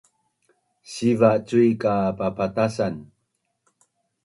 siva’ cui ka papatasan